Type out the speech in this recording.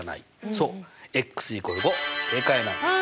そう＝５正解なんです。